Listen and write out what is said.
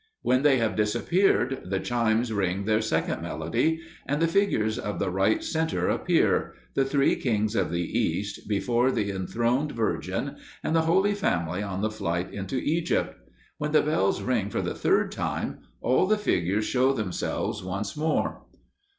When they have disappeared, the chimes ring their second melody, and the figures of the right center appear, the three Kings of the East, before the enthroned Virgin, and the Holy Family on the Flight into Egypt. When the bells ring for the third time, all the figures show themselves once more.